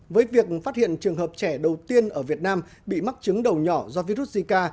với việc phát hiện trường hợp trẻ đầu tiên ở việt nam bị mắc chứng đầu nhỏ do virus zika